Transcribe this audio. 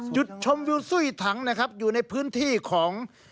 จุดชมวิวซุ้ยถังนะครับอยู่ในพื้นที่ของ